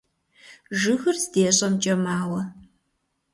Жыгыр здещӀэмкӀэ мауэ.